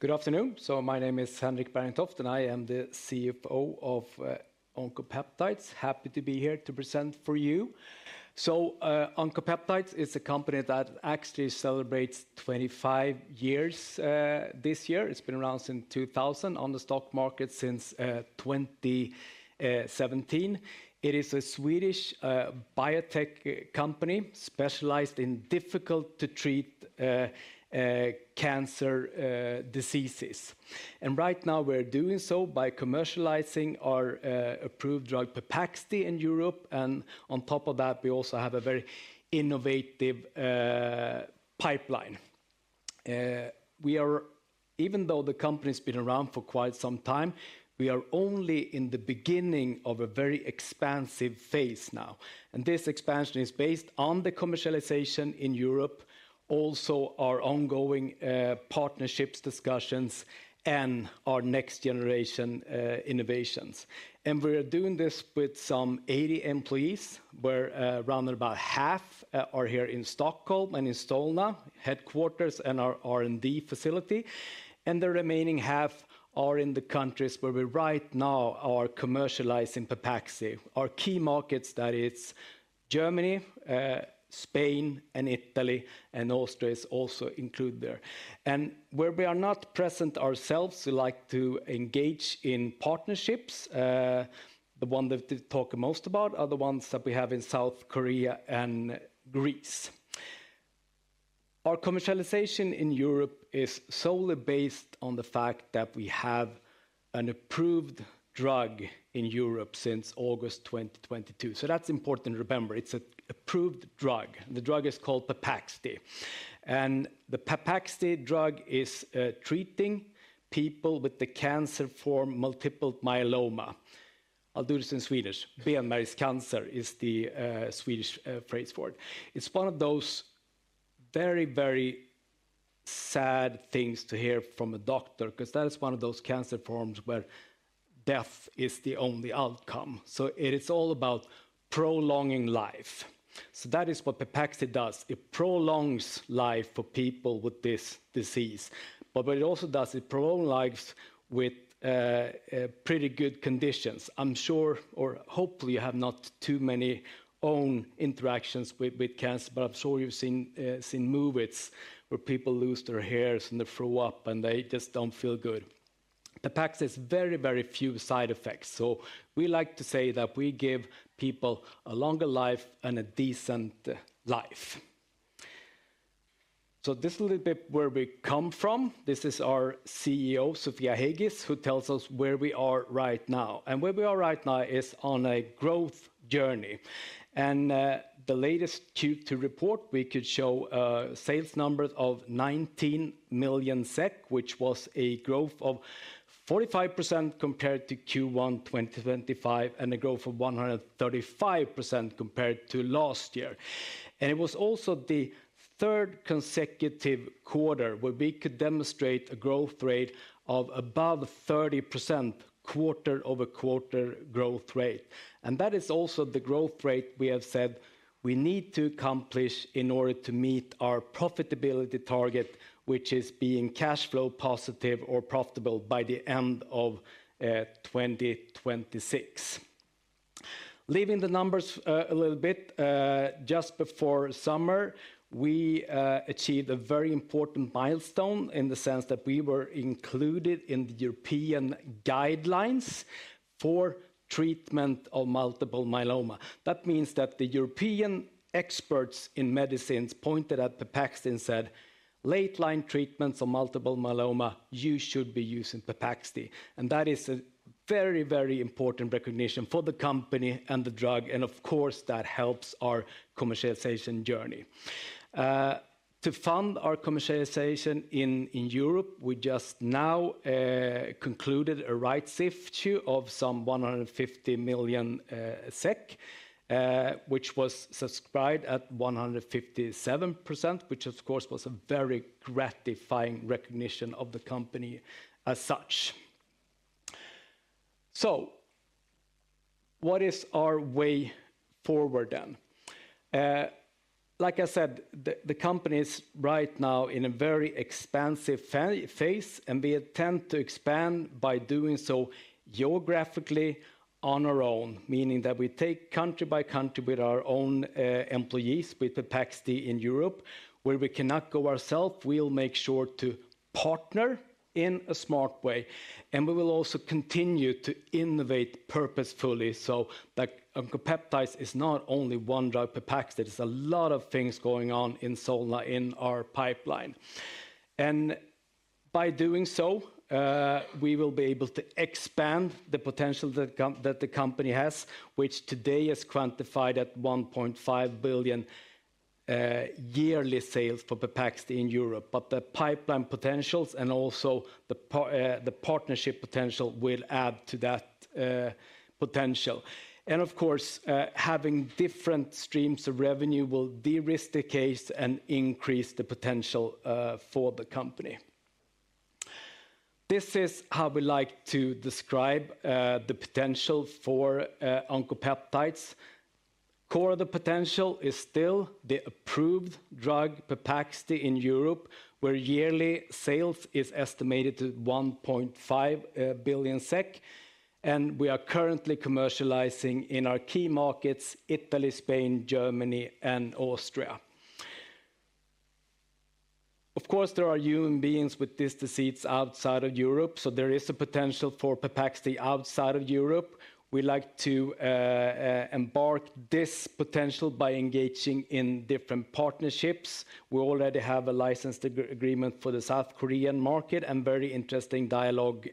Good afternoon, so my name is Henrik Bergentoft, and I am the CFO of Oncopeptides. Happy to be here to present for you, so Oncopeptides is a company that actually celebrates 25 years this year. It's been around since 2000, on the stock market since 2017. It is a Swedish biotech company specialized in difficult-to-treat cancer diseases, and right now we're doing so by commercializing our approved drug Pepaxti in Europe, and on top of that, we also have a very innovative pipeline. Even though the company has been around for quite some time, we are only in the beginning of a very expansive phase now, and this expansion is based on the commercialization in Europe, also our ongoing partnerships, discussions, and our next generation innovations. And we are doing this with some 80 employees, where around about half are here in Stockholm and in Solna headquarters and our R&D facility. And the remaining half are in the countries where we right now are commercializing Pepaxti. Our key markets, that is Germany, Spain, and Italy, and Austria is also included there. And where we are not present ourselves, we like to engage in partnerships. The ones that we talk most about are the ones that we have in South Korea and Greece. Our commercialization in Europe is solely based on the fact that we have an approved drug in Europe since August 2022. So that's important to remember. It's an approved drug. The drug is called Pepaxti. And the Pepaxti drug is treating people with the cancer form multiple myeloma. I'll do this in Swedish. Benmärgscancer is the Swedish phrase for it. It's one of those very, very sad things to hear from a doctor, because that is one of those cancer forms where death is the only outcome. So it is all about prolonging life. So that is what Pepaxti does. It prolongs life for people with this disease. But what it also does, it prolongs lives with pretty good conditions. I'm sure, or hopefully you have not too many own interactions with cancer, but I'm sure you've seen movies where people lose their hairs and they throw up and they just don't feel good. Pepaxti has very, very few side effects. So we like to say that we give people a longer life and a decent life. So this is a little bit where we come from. This is our CEO, Sofia Heigis, who tells us where we are right now. Where we are right now is on a growth journey. The latest Q2 report, we could show sales numbers of 19 million SEK, which was a growth of 45% compared to Q1 2025 and a growth of 135% compared to last year. It was also the third consecutive quarter where we could demonstrate a growth rate of above 30%, quarter-over-quarter growth rate. That is also the growth rate we have said we need to accomplish in order to meet our profitability target, which is being cash flow positive or profitable by the end of 2026. Leaving the numbers a little bit, just before summer, we achieved a very important milestone in the sense that we were included in the European guidelines for treatment of multiple myeloma. That means that the European experts in medicines pointed at Pepaxti and said, "Late line treatments of multiple myeloma, you should be using Pepaxti," and that is a very, very important recognition for the company and the drug, and of course, that helps our commercialization journey. To fund our commercialization in Europe, we just now concluded a rights issue of some 150 million SEK, which was subscribed at 157%, which of course was a very gratifying recognition of the company as such, so what is our way forward then? Like I said, the company is right now in a very expansive phase, and we attempt to expand by doing so geographically on our own, meaning that we take country by country with our own employees with Pepaxti in Europe. Where we cannot go ourselves, we'll make sure to partner in a smart way. We will also continue to innovate purposefully. So Oncopeptides is not only one drug, Pepaxti. There's a lot of things going on in Solna in our pipeline. And by doing so, we will be able to expand the potential that the company has, which today is quantified at 1.5 billion yearly sales for Pepaxti in Europe. But the pipeline potentials and also the partnership potential will add to that potential. And of course, having different streams of revenue will de-risk the case and increase the potential for the company. This is how we like to describe the potential for Oncopeptides. Core of the potential is still the approved drug Pepaxti in Europe, where yearly sales is estimated to 1.5 billion SEK. And we are currently commercializing in our key markets, Italy, Spain, Germany, and Austria. Of course, there are human beings with these diseases outside of Europe, so there is a potential for Pepaxti outside of Europe. We like to embark on this potential by engaging in different partnerships. We already have a license agreement for the South Korean market and very interesting dialogue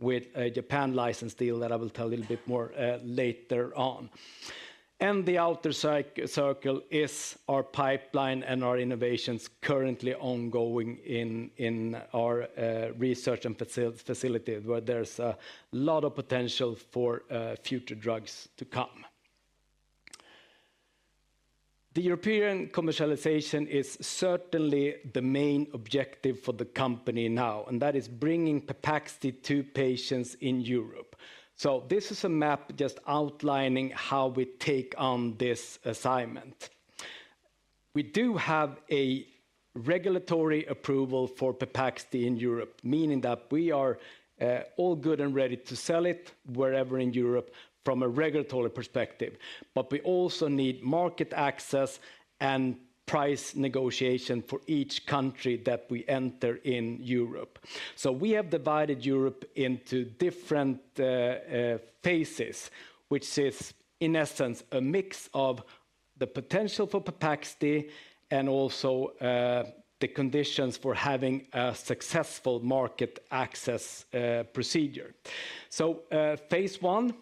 with a Japan license deal that I will tell a little bit more later on, and the outer circle is our pipeline and our innovations currently ongoing in our research facility, where there's a lot of potential for future drugs to come. The European commercialization is certainly the main objective for the company now, and that is bringing Pepaxti to patients in Europe, so this is a map just outlining how we take on this assignment. We do have a regulatory approval for Pepaxti in Europe, meaning that we are all good and ready to sell it wherever in Europe from a regulatory perspective. But we also need market access and price negotiation for each country that we enter in Europe. So we have divided Europe into different phases, which is in essence a mix of the potential for Pepaxti and also the conditions for having a successful market access procedure. So phase one,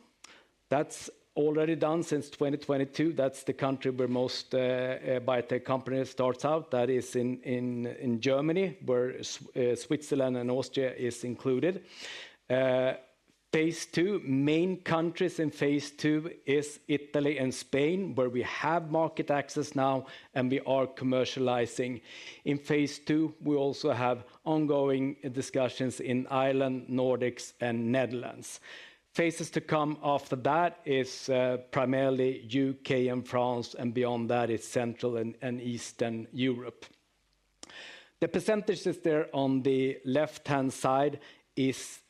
that's already done since 2022. That's the country where most biotech companies start out. That is in Germany, where Switzerland and Austria are included. Phase two, main countries in phase two is Italy and Spain, where we have market access now and we are commercializing. In phase two, we also have ongoing discussions in Ireland, the Nordics, and the Netherlands. Phases to come after that are primarily the U.K. and France, and beyond that is Central and Eastern Europe. The percentages there on the left-hand side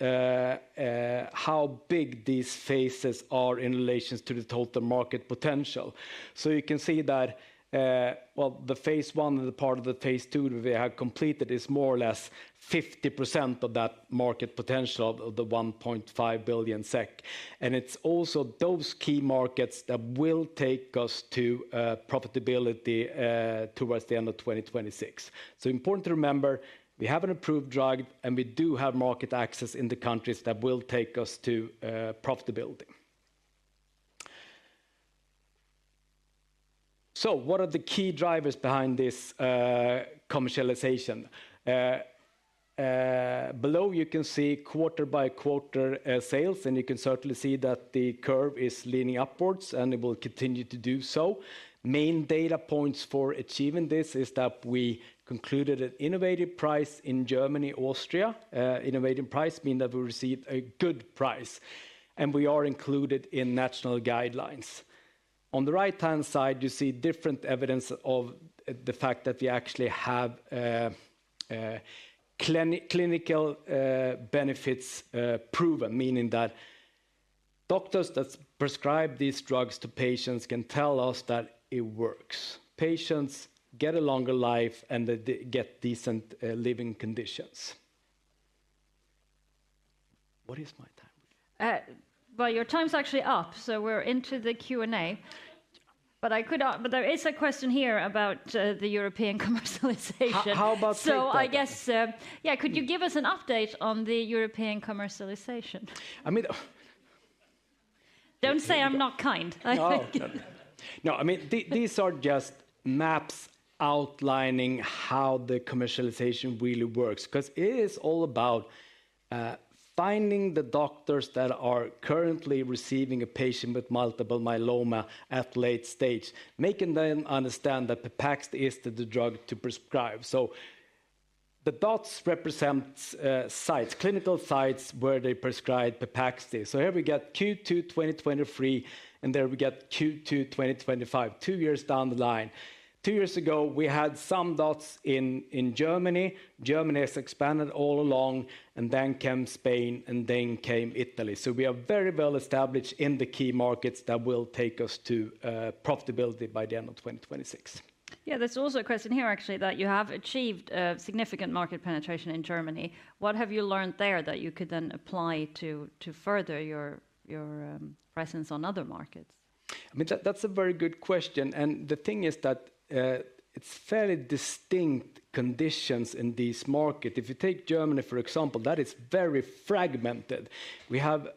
are how big these phases are in relation to the total market potential. So you can see that, well, the phase one and the part of the phase two that we have completed is more or less 50% of that market potential of the 1.5 billion SEK. And it's also those key markets that will take us to profitability towards the end of 2026. So important to remember, we have an approved drug, and we do have market access in the countries that will take us to profitability. So what are the key drivers behind this commercialization? Below, you can see quarter-by-quarter sales, and you can certainly see that the curve is leaning upwards, and it will continue to do so. Main data points for achieving this are that we concluded an innovative price in Germany and Austria. Innovative price means that we received a good price, and we are included in national guidelines. On the right-hand side, you see different evidence of the fact that we actually have clinical benefits proven, meaning that doctors that prescribe these drugs to patients can tell us that it works. Patients get a longer life, and they get decent living conditions. What is my time? Your time's actually up, so we're into the Q&A. But there is a question here about the European commercialization. How about this? I guess, yeah, could you give us an update on the European commercialization? I mean. Don't say I'm not kind. No, I mean, these are just maps outlining how the commercialization really works, because it is all about finding the doctors that are currently receiving a patient with multiple myeloma at late stage, making them understand that Pepaxti is the drug to prescribe. So the dots represent sites, clinical sites where they prescribe Pepaxti. So here we get Q2 2023, and there we get Q2 2025, two years down the line. Two years ago, we had some dots in Germany. Germany has expanded all along, and then came Spain, and then came Italy. So we are very well established in the key markets that will take us to profitability by the end of 2026. Yeah, there's also a question here, actually, that you have achieved significant market penetration in Germany. What have you learned there that you could then apply to further your presence on other markets? I mean, that's a very good question. And the thing is that it's fairly distinct conditions in this market. If you take Germany, for example, that is very fragmented. We have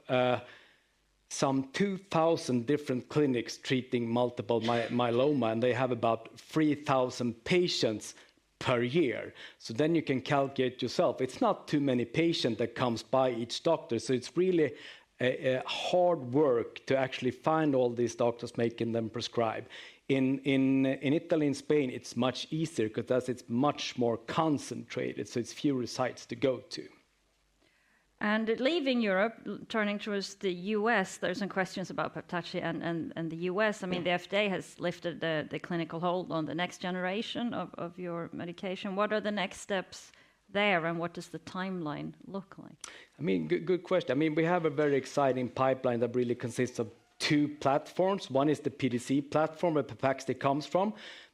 some 2,000 different clinics treating multiple myeloma, and they have about 3,000 patients per year. So then you can calculate yourself. It's not too many patients that come by each doctor. So it's really hard work to actually find all these doctors, making them prescribe. In Italy and Spain, it's much easier because it's much more concentrated, so it's fewer sites to go to. Leaving Europe, turning towards the U.S., there are some questions about Pepaxti and the U.S. I mean, the FDA has lifted the clinical hold on the next generation of your medication. What are the next steps there, and what does the timeline look like? I mean, good question. I mean, we have a very exciting pipeline that really consists of two platforms. One is the PDC platform where Pepaxti comes from.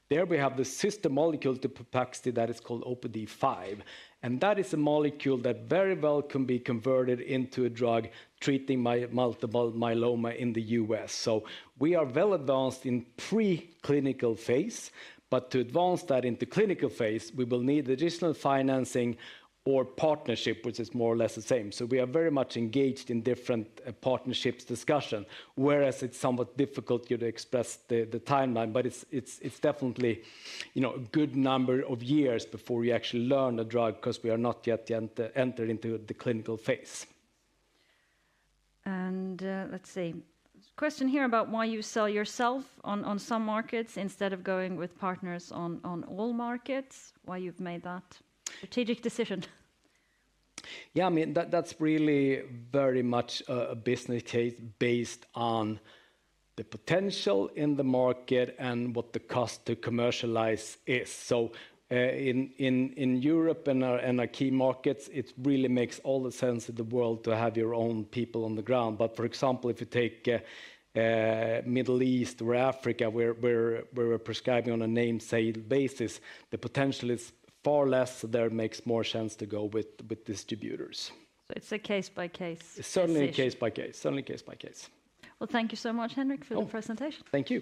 There we have the sister molecule to Pepaxti that is called OPD5. And that is a molecule that very well can be converted into a drug treating multiple myeloma in the U.S. So we are well advanced in the preclinical phase, but to advance that into the clinical phase, we will need additional financing or partnership, which is more or less the same. So we are very much engaged in different partnerships discussion, whereas it's somewhat difficult to express the timeline, but it's definitely a good number of years before we actually learn a drug because we are not yet entered into the clinical phase. And let's see. Question here about why you sell yourself on some markets instead of going with partners on all markets. Why you've made that strategic decision? Yeah, I mean, that's really very much a business case based on the potential in the market and what the cost to commercialize is. So in Europe and our key markets, it really makes all the sense in the world to have your own people on the ground. But for example, if you take the Middle East or Africa, where we're prescribing on a named patient basis, the potential is far less. So there makes more sense to go with distributors. So it's a case by case. Certainly case-by-case. Certainly case by case. Thank you so much, Henrik, for the presentation. Thank you.